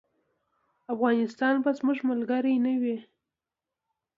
افغانستان به زموږ ملګری نه وي.